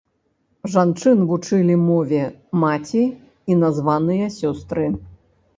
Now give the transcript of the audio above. Жанчын вучылі мове маці і названыя сёстры.